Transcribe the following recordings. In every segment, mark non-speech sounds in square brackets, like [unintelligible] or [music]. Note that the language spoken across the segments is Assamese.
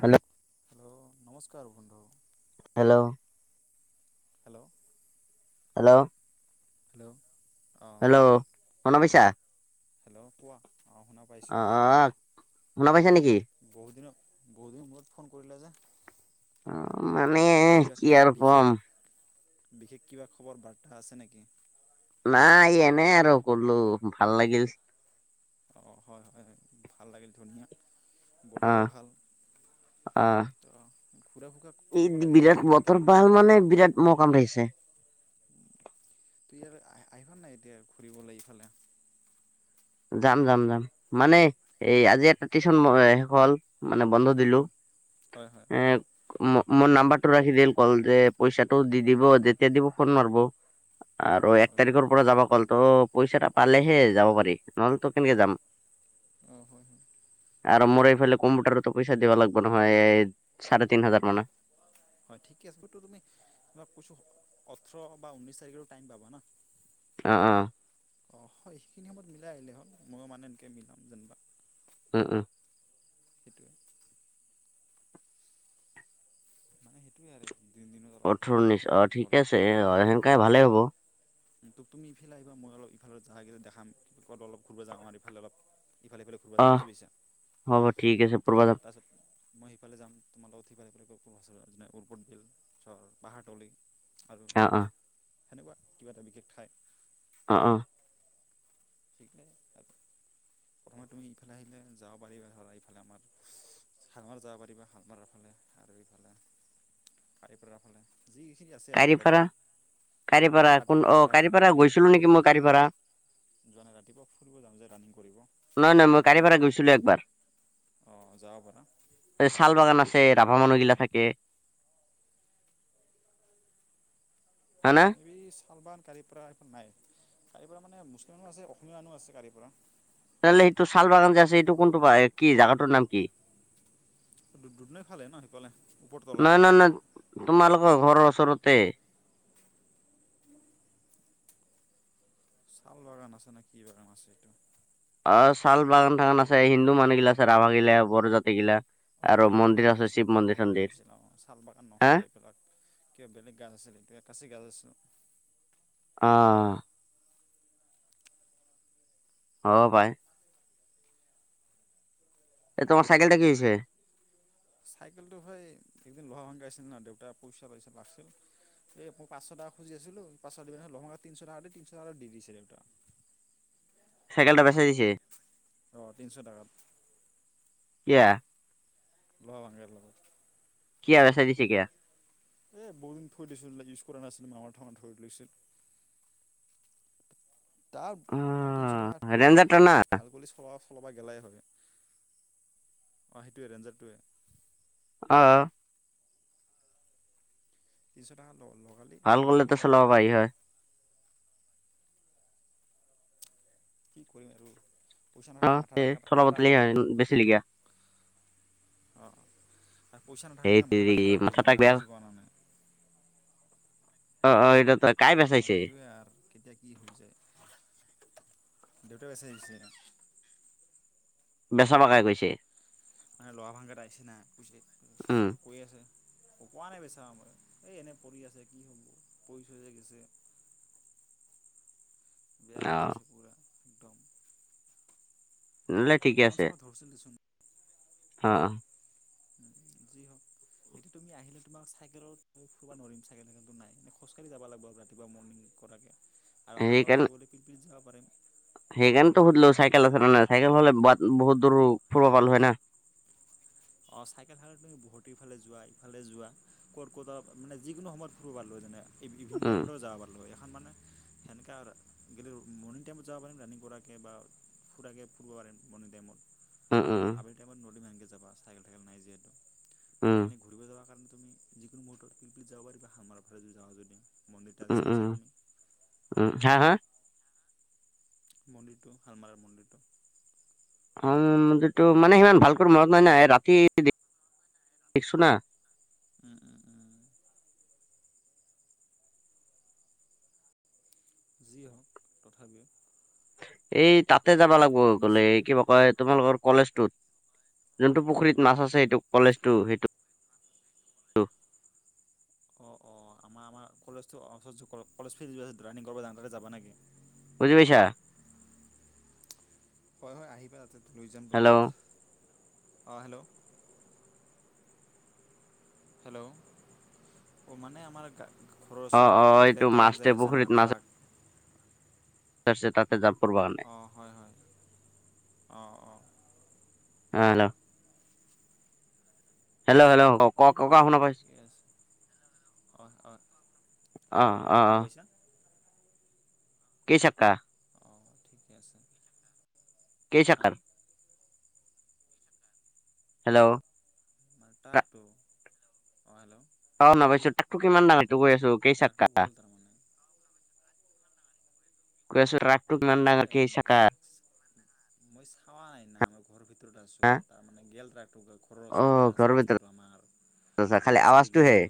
হেল্ল' অ নমস্কাৰ বন্ধু। Hello hello! হেল্ল'! হেল্ল'। অঁ হেল্ল'। শুনা পাইছা? হেল্ল' কোৱা। অঁ শুনা পাইছোঁ আহ আহ শুনা পাইছা নেকি? বহু দিনত বহু দিন মূৰত ফোন কৰিলা যে? অ মানে কিয় কি কিয় আৰু কম বিশেষ বিশেষ কিবা খবৰ বাৰ্তা আছে নেকি? নাই এনেই আৰু কৰলো ভাল লাগিল। অ হয় হয় ভাল লাগিল ধুনীয়া অ বতৰো ভাল। অ তো ঘূৰা ফুকা এই কৰিব লাগে বিৰাট সময়ত ৰ বতৰ ভাল মানে বিৰাট মহ কামৰাইছে। তো ইয়াৰ আহ-আহিবা নাই এতিয়া ঘূৰিবলৈ ইফালে? যাম যাম যাম মানে এই আজি এটা টিচন মই শেষ হ'ল। মানে বন্ধ উম দিলো। উম হয় হয় এ আৰু মোৰ নাম্বাৰটো ৰাখি দিল কল যে পইচাটো দি দিব যেতিয়া দিব ফোন মাৰব। আৰু অঁ এক হয় হয় তাৰিখৰ পৰা যাবা কল, তো পইচাটা পালেহে যাব পাৰিম নহ'লেতো কেনেকে যাম। অ হয় হয়। আৰু মোৰ এইফালে কম্পিউটাৰতো পইচা দিব লাগিব নহয় এই চাৰে তিন হাজাৰ মানা। হয় ঠিকে আছে বতো তুমি তোমাক কৈছো ওঠোৰ বা ঊনৈছ তাৰিখৰ টাইম পাবা না। আহ আহ অ হয় সেইখিনি সময়ত মিলাই আহিলে হ'ল, ময়ো মানে এনেকে মিলাম যেনিবা। উম উম। সেইটোৱে মানে সেইটোৱে আৰু দিন দিনত অলপ ঘূৰলে অঠনিছ অ ভাল লাগিব ঠিকে অলপ। আছে অ হেংকাই ভালেই হ'ব। তুমি এফালে আহিবা মই অলপ ইফালে জেগা দেখাম ক'ত অলপ ঘূৰবা যাওঁ আৰ ইফালে সিফালে ঘুৰবা জাম অ বুজি পাইছা? হ'ব ঠিক আছে ফুৰবা তাৰপিছত যাম তাৰপিছত মই সিফালে যাম তোমাৰ লগত সিফালেফালে ক যেনে উৰপতৰ বিল। ধৰ পাহাৰতলি আৰু অ অ। সেনেকুৱা কিবা এটা বিশেষ ঠাই অ অ। ঠিকে তাৰ প্ৰথমে তুমি ইফালে আহিলে যাব পাৰিবা ধৰা ইফালে আমাৰ শালমাৰ যাব পাৰিবা শাল মাৰাৰ ফালে আৰু ইফালে কাৰিপৰাৰ ফালে যিখিনি আছে আৰু অলপ কাৰিপাৰা কাৰিপাৰা হা কোন ৰাতি অ ৰাতিপুৱা কাৰিপাৰা ৰাতিপুৱা গৈছিলো নেকি মই কালি পাৰা যোৱা নাই ৰাতিপুৱা ফুৰিব যাম যে ৰানিং কৰিব নহ নহয় সেই মই ব্ৰিজ কাৰিপাৰা গৈছিলো একবাৰ যাব পাৰা শাল বাগান আছে ৰাভা মানুহগিলা থাকে হয় না এই শালবাৰ কাৰিপৰা এইখন নাই কাৰিপৰা মানে মুছলিম মানুহ আছে অসমীয়া মানুহ আছে কাৰিপৰা তেতিয়াহলে সেইটো শাল বাগান যে আছে এইটো কোনটো কি জাগাটোৰ নাম কি? দুধনৈ ফালে ন সিফালে উপৰতলা নহয় নহয় নহয় তোমালোকৰ ঘৰৰ ওচৰতে শাল বাগান আছে নে কি বাগান আছে এইটো অ শাল বাগান থাগান আছে হিন্দু মানুহ গিলা আছে ৰাভা গিলা বড়ো জাতিগিলা। অঁ কেম্পৰ ফালে গৈছিলে কেম্পৰ ফালে গৈছিলে অঁ শাল বাগান হা নহয় সেইবিলাক। কিবা বেলেগ গাজ আছিলে কিবা একাচি গাজ আছিলোঁ অঁ অ হয় হয় পাই এ তোমাৰ চাইকেল টা কি হৈছে? চাইকেলটো ভাই একদিন লহা ভকাইছিল ন দেউতা পইচা পাইচে। এ মই পাঁশ টকা খুজি আছিলো পাঁচশ দিব নে লহভাংগা তিনশ টকা তিনশ টাকাতে দি দিছে দেউতা চাইকেল টা বেচাই দিছে অঁ তিনিশ টকাত কেতিয়া? লোৱা ভংগা লগত কি আ চা দিছে কো এই বহুতদিন থৈ দিছিলোঁ ইউজ কৰা নাছিলোঁ মামৰ ঠামৰ ধৰি লৈছে। তাৰ অ তাৰ তিনিশ টকা ৰেঞ্জাৰটা ভাল না ভাল কৰি চলাব ফলৰ পৰা গেলাই হয় অঁ সেইটোৱে ৰেঞ্জাৰটোৱে অ তিনিশ টকা লগালি ভাল চল কৰিলেতো চললৈ চলাব গেলা পাৰি হয় আৰু কি কৰিম আৰু পইচা অ নাথাকিলে মাথা এ এটা চলাব দিলি খাৰাপ হৈ হয়, যায় না। বেচিলি কিয়া অঁ আৰু পইচা নাথাকিল হেই নে মাথা এটা খাৰাপ হৈ যায় মাথাটা না বেয়া বুজি পোৱা ন নাই অ অ এইটা তাক অঁ সেইটোৱে আৰ কেতিয়া কি হৈ যায় দেউতা বেচাই আহিছে বেচাবা কাই কৈছে মানে লহা ভাংগটা আইছে না কৈছে উম কৈ আছে পকোৱা নাই বেচা আমাৰ এই এনে পৰি আছে কি হ'ব পৰিচ গৈছে বেয়া অ হৈ গৈছে পুৰা একদম নহলে ঠিকে নাঙল আছে চাঙল ধৰিছিল দেচোন অ অ উম', যি হওক। এতিয়া তুমি আহিলে তোমাক চাইকেলত ফৰিব নোৱাৰৰিম, চাইকেল চাইকেলটো নাই, এনে খোজকাঢ়ি যাব লাগিব আৰু ৰাতিপুৱা মৰ্ণিং। কৰাকে আৰু শালমৰাৰ সেইকাৰণে ফালে গ'লে পিৰপিৰিত যাব পাৰিম। সেইকাৰণেতো সুধিলো চাইকেল আছে নে নাই, চাইকেল হ'লে বাট বহুত দূৰ ফুৰিব পালো হয় না। অঁ', চাইকেল থকা হেতিন তুমি বহুতিফালে যোৱা, ইফালে যোৱা, ক'ত ক'তাত মানে যিকোনো সময়ত ফুৰিব পাৰোঁ যেনে ইভিনিং উম টাইমতো যাব পাৰ লয় এখন মানে সেনেকা গেলোঁ মৰ্ণিং টাইমত যাব পাৰিম ৰানিং কৰাকে বা ফুৰাকে ফুুৰিব পাৰিম মৰ্ণিং টাইমত। উম উম আবেলি টাইমত নৰিম এনকে যাবা চাইকেল টাইকেল নাই যিহেতু, উম আৰু এনে ঘূৰিব যাব কাৰণে তুমি যিকোনো মটৰ শিলপিত যাব পাৰিবা, সামাৰ ফালে যদি যাওঁ যদি। মন্দিৰতা যে উম উম চাইছা তুমি। উম', হা', হা'? মন্দিৰটো হালমাৰৰ মন্দিৰটো। উম, মন্দিৰটো মানে সিমান ভালকৈ মনত নাই না, ৰাতি দেখিছো না। উম' উম' উম'। যি হওক তথাপিও। এই তাতে যাব লাগব গ'লে পিছে কিবা কয় তোমালোকৰ কলেজটোত। যোনটো পুখুৰীত মাছ আছে, এইটো কলেজটো সেইটো। অঁ', অ', আমাৰ আমাৰ কলেজটো অচত কলেজ ফিল্ড যোৱা যে ৰানিং কৰিব যাওঁ তাতে যাবা নেকি? বুজি পাইছা? হয়', হয়', আহিবা তাতে লৈ যাম হেল্ল' তোমাক, অঁ', হেল্ল'। হেল্ল', [unintelligible] অ', মানে আমাৰ ঘৰৰ অ ওচৰে অ ট্ৰাক এইটো যায় ট্ৰাক মাছতে যাই আছে পুখুৰীত না মাছ ট্ৰাক। আছে তাতে যাপৰ পৰা নাই। অঁ', হয়', হয়', অঁ', অঁ'। অ', হেল্ল'। [unintelligible] হেল্, ' হেল্ল, কওক। ক', ককা শুনা পাইছো, য়েছ অঁ অঁ হেল্ল' অ', হেল্ল' অ', শুনা অ'। পাইছা? কেই চাকা? [unintelligible] অঁ ঠিকে আছে। [inaudible] কেই চাকাৰ? হেল্ল'। মাটাৰটো অঁ হেল্ল'। অ', শুনা পাইছোঁ, ট্ৰাকটো কিমান দাঙৰ সেইটো কৈ আছো। কেইচাকা ট্ৰাকটো গ'ল তাৰমানে। কৈ আছো ট্ৰাকটো কিমান ডাঙৰ এই কেই মানে চাকাৰ? মই চাৱা নাই না, মই ঘৰৰ ভিতৰত আছো, হা তাৰ মানে গেল ট্ৰাকটো। ঘৰৰ অ ওচৰতে আছে ঘৰৰ ৰাস্তাটো ভিতৰত আমাৰ, আছা ত' খালি ৰাস্তাদি আৱাজটোহে গেল।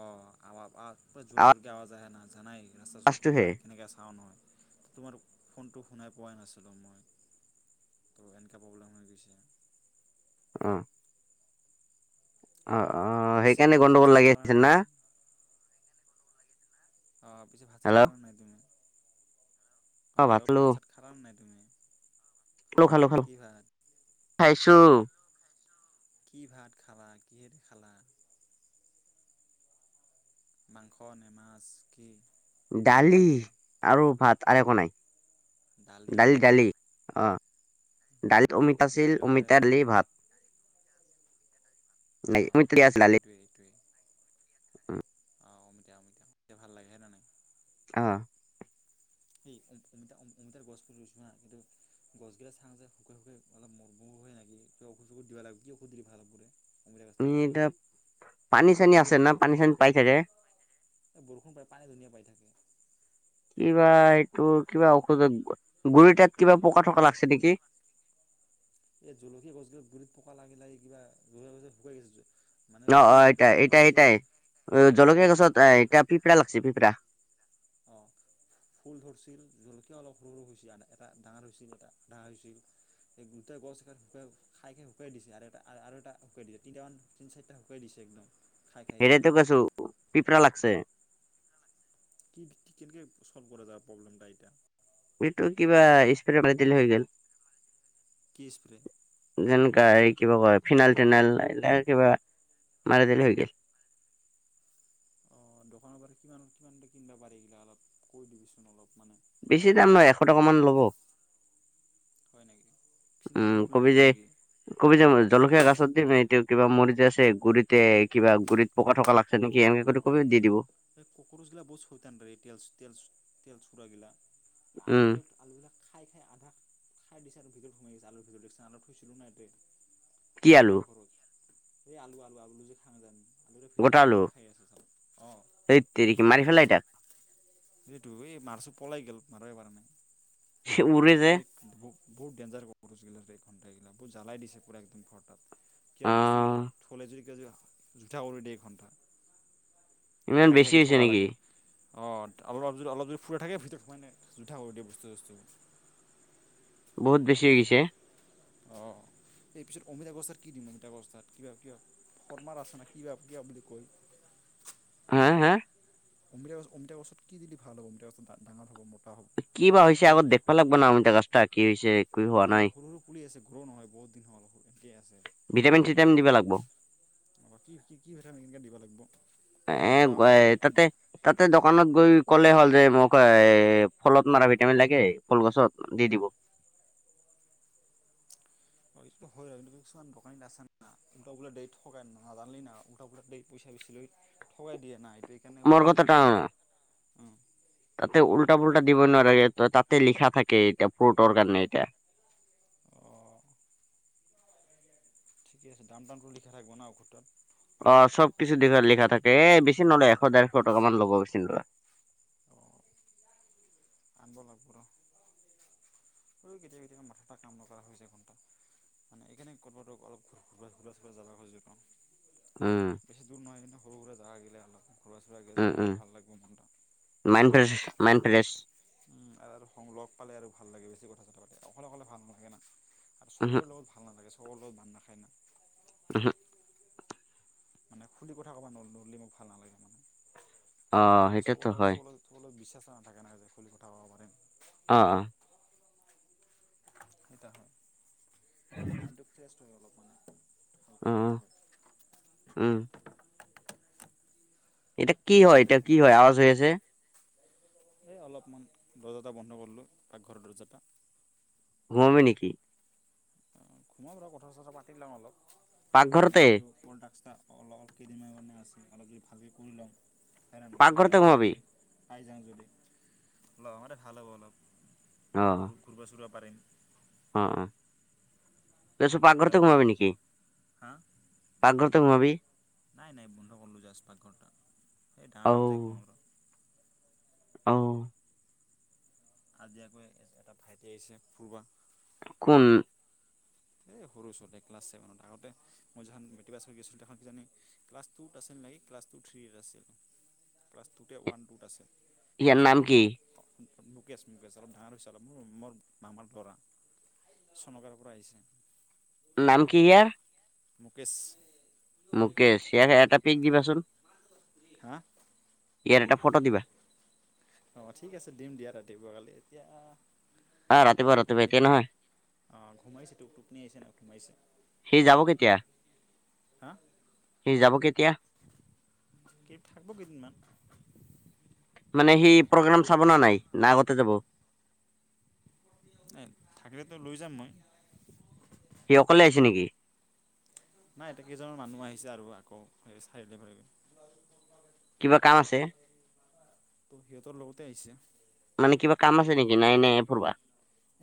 অঁ', আমা আগফালে জোৰ জোৰকে আৱাজ আহে না, জানাই ৰাস্তা ওচৰত ঘৰ আৱাজটোহে থাকিলে কেনেকে চাউণ্ড হয়। তোমাৰ ফোনটো শুনাই পোৱাই নাছিলোঁ মই, ত' এনকে প্ৰব্লেম হৈ গৈছে। অ'। অঁ', অঁ', পিছে সেইকাৰণে তুমি ভাত গণ্ডগোল চাত লাগি আছে খালানে না? নাই অ', পিছে ভাত চাত হেল্ল' খালা নাই তুমি? অ', হেল্ল' ভাত চাত খালা নে নাই তুমি? খালো, খালো, খালো, কি ভাত খাইছো। কি ভাত খালা কিহেদি খালা? মাংস নে মাছ কি? দালি আৰু ভাত আৰু একো নাই, দালি দালি অ'। দালিত অমিতা আছিল, দালিৰ লগত আৰু একো অমিতা, নাই দালি, ভাত। নাই অমিতা অঁ', আছিল দালিত এইটোৱেই এইটোৱেই। অঁ অমিতা অমিতা, অমিতা ভাল লাগে নে নাই? অ, সি অমিতা অমিতাৰ গছপুলি ৰুই ছাবি না কিন্তু, গছ গিলা চাং যে শুকাই শুকাই অলপ মৰো মৰো হয় নাকি কিবা ঔষধ চখুধ দিবা লাগিব কি ঔষধ দিলে ভাল হ'ব ৰে, এতিয়া পানী চানী আছে না পানী চানী পাই থাকে, বৰষুণ পাই পানী ধুনীয়া পাই থাকে। কিবা এইটো কিবা ঔষধত গুৰি তাত কিবা পকা থকা লাগিছে নেকি। এই জলকীয়া গছ গিলাত গুৰিত পকা লাগি লাগিলে কিবা গছ শুকাই গৈছে। মানে অ অ ফুল এ ফুল এইটা ধৰছিল এটাই জলকীয়া গছত সৰু এটা পিপৰা লাগিছে পিপৰা। অ, ফুল ধৰিছিল জলকীয়া অলপ সৰু সৰু হৈছিল এটা ডাঙৰ হৈছিল এটা ডাঙৰ হৈছিল। এই দুটা গছ কাইটিবা, খাই খাই শুকুৱাই দিছে আৰু এটা আৰু এটা শুকুৱাই দিছে তিনিটামান তিন চাৰিটা শুকুৱাই দিছে একদম, খাই খাই কেনে হেৰিতো কৈছো পিপৰা লাগিছে। কি কেনেকে চল্ভ কৰা যায় প্ৰব্লেমটা ইটা, এইটো কিবা স্প্ৰে মাৰি দিলে হৈ গেল। কি স্প্ৰে, যেনেকা এই কিবা কয় ফিনাইল থিনাইল এই কিবা মাৰি দিলে হৈ গেল। অ দোকানৰ পৰা কিমান কিমানতে কিনিবা পাৰি ইলা অলপ কৈ দিবিচোন অলপ মানে, বেছি দাম নহয় এশ টকা মান ল'ব। হয় নেকি ফিনাৰ উম বুলি ক'লে কবি দিব যে, নেকি কবি যে জলকীয়া গছত দিম এইটো কিবা মৰিযে আছে গুৰিতে কিবা গুৰিত, পকা থকা লাগিছে নেকি এনেকে কৰি অঁ কবি দি দিব। এই কক্ৰ'চ গিলা বহুত চয়তান যে তেল তেল তেল চুৰা গিলা উম আলুবিলাক, আলুবিলাক খাই খাই আধা খাই দিছে আৰু ভিতৰত সোমাই গৈছে আলু ভিতৰত দেখিছে আলু থৈছিলোঁ না ইয়াতে, কি মানে আলু পাকঘৰত এই আলু আলু আলু যে খাওঁ যে আমি। গোতে ভিতৰত সোমাই সোমাই খাই আছে চব অ, সেই তিৰিক মাৰি ফেলাই ইটাক, এইটো এই মাৰছো পলাই গে'ল মাৰিবই পাৰা নাই। উৰে যে বহুত ডেঞ্জাৰচ কক্ৰ'চ গিলা ঘণ্টা এইগিলা বহু জ্বালাই দিছে পুৰা একদম ঘৰ তাত। কিবা অ বস্তু থ'লে যদি ক জুঠা কৰি দিয় এ ঘণ্টা, ইমান ঢাকি বেছি ঢাকি হৈছে থ'ব নেকি লাগে। অঁ অলপ যদি অলপ যদি খুলা থাকে ভিতৰত সোমাই মানে জোঠা কৰি দিয়ে বস্তু চস্তু, বহুত বেছি হৈ গৈছে। অঁ এই পিছত অমিতাগছত কি দিম অমিতা গছতাত কিবা কিবা, শদমাৰ আছে নে কিবা কিবা বুলি কয়। হা হা, অমিতা অমিতা গছত কি দিলে ভাল হ'ৱ অমিতা গছত ডাঙৰ হ'ব ম কি বা হৈছে আগত দেখিব লাগিব না অমিতা গছটা কি হৈছে। কি হোৱা নাই নাই সৰু সৰু পুলি আছে গ্ৰও নহয় বহুত দিন হ'ল এনেকে আছে। ভিটামিন চিটামিন দিব মানে লাগব। কি কি কি ভিটামিন এনেকে দিব লাগিব যাতে এ মতা হয় যাতে, গ- তাতে তাতে দোকানত গৈ ক'লে হ'ল যে মোক এ ফলত মাৰা ভিটামিন লাগে ফল গছত। দি দিব। টো হয় কিন্তু কিছুমান দোকানীত আছে না, উল্টা পুল্টা দেইত ঠগেন নাজানালি না উল্টা পুল্টা দি পইচা বেছি লৈ ঠগাই দিয়ে না এ- মোৰ কথাটা আ উম, তাতে উল্টা পুল্টা দিব নোৱাৰে তাতে লিখা থাকে ইটা ফ্ৰোটৰ কাৰণে ইটা। অ। ঠিক আছে। দাম-টামটো লিখা থাকিব না ঔষধত। অ, চব কিছু দেখা লিখা থাকে। এ বেছি নলয় এশ ডেৰশ টকা মান ল'ব বেছি নলয়। আনব লাগব ৰ। ঐ কেতিয়াবা- কেতিয়াবা মাঠাটা কাম নকৰা হৈ হৈছে ঘণ্টা। মানে এইকানে ক'তবাটো অলপ ঘূৰা চোলা জাবা খোজো ন। উম। বেছি দূৰ নহয় কিন্তু সুৰা জাগা গিলা অল ঘৰুৰা চুৰা আগে যাই গ'লে ভাল লাগব মনটা। Mind fresh mind fresh. উম, আৰু সংগ লগ পালে আৰু ভাল লাগে। বেছি কথা চথা পাতে অকলে অকলে ভাল নালাগে না। আৰ উহু চবৰে লগত ভাল নালাগে। চবৰে লগত বান নাখায় না। উহু। মানে খুলি কথা ক'বা নললি মোক ভাল নালাগে মানে। অ আৰু চব সেইটোতো হয় চলি- সব লগত বিশ্বাস নাথাকে না যে খুলি কথা কবৰ পাৰিম। অ অ। সেইটা হয়, মানে মাইণ্ডটো ফ্ৰেছ হয় অলপমান হালকা অ অ, হালকা হয়। উম। এতা কি সেইটোৱে হয়? আজিকালি এতিয়া কি হয়? আৱাজ হৈ আছে? এই অলপমান দৰজা এটা বন্ধ কৰিলোঁ, পাকঘৰৰ দৰজা টা। ঘূমাবি নেকি? ঘূমাম ৰ কথা-চথা পাতি লওঁ অলপ। মানে পাকঘৰতে যিহেতু কল ডাক্সটা অল কেইদিনমান কাৰণে আছে অলপ ভাবি কৰি লও হয় না নাই কিবা এটা পাকঘৰতে সোমাবি যদি পাই যাং যদি, লওঁতে ভাল হ'ব অলপ। অ। ঘূৰ্বা চুৰা পাৰিম। অ অ এই চব পাকঘৰতে হেল্ল' ঘূমাবি নেকি? হা পাকঘৰতে ঘূমাবি? নাই নাই বন্ধ কৰিলোঁ জাষ্ট পাকঘৰটা সেই অ ডাঙৰ ঘৰত যায় ঘূমাম ৰ। অ। আজি আকৌ এটা ভাইটি আহিছে, ফুৰবা। কোন? এই সৰু ছোৱালী ক্লাছ ছেভেনত আগতে মই জহান মেট্ৰিক পাছ হৈ গৈছিলো তাহান কিজানি ক্লাছ টুত আছিল নেকি। ক্লাছ টু থ্ৰীত আছিল। ক্লাছ টুতে ওৱান টুত আছিল। ইয়াৰ নাম কি [unintelligible] মুকেশ মুকেশ অলপ ডাঙৰ হৈছে। অলপ মোৰ মৰ মামাৰ ডাঙৰ ল'ৰা। চনকাৰৰ পৰা আহিছে। নাম কি ইয়াৰ? মুকেশ। মুকেশ চিয়াৰ হে এটা পিক দিবাচোন। হা? ইয়াৰ এটা ফটো দিবা। অ ঠিক আছে দিম দিয়া, ৰাতিপুৱা কালি এতিয়া আহ ৰাতিপুৱা ল'ৰাটো ৰাতিপুৱা ঘূমাই, এতিয়া নহয় অ ঘূমাইছেটো, টোপনি আহিছে ন, ঘূমাইছে। সি যাব কেত- হা। সি যাব কেতিয়া? কেই থাকিব কেইদিনমান। মানে সি প্ৰগ্ৰেম চাব নে নাই? ন আগতে যাব। এ থাকিলেটো লৈ যাম মই। সি অকলে আহিছে নেকি? নাই, তে কেইজনৰ মানুহ আহিছে আৰু আকৌ চাৰিআলি ফালে গ'ল কিবা কাম আছে? তো সিহঁতৰ লগতে আহিছে মানে কিবা কাম আছে নেকি? নাই -নাই ফুৰবা।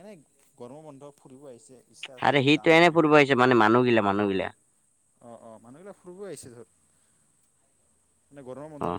এনেই গৰমৰ বন্ধ ফুৰিব আহিছে ইচ্ছা আছে আৰে যে সিটো যাম এনে ঘূৰিব ফুৰিব আহি হৈছে মানে মানুহগিলা মানুহগিলা [inaudible] অ অ মানুহবিলাক ফুৰিব আহিছে ধৰ মানে গৰমৰ অ বন্ধত না